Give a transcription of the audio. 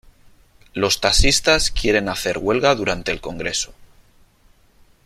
Los taxistas quieren hacer huelga durante el congreso.